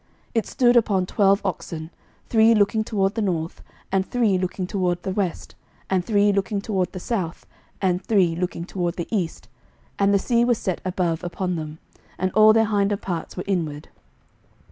11:007:025 It stood upon twelve oxen, three looking toward the north, and three looking toward the west, and three looking toward the south, and three looking toward the east: and the sea was set above upon them, and all their hinder parts were inward.